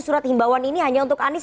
surat himbauan ini hanya untuk anis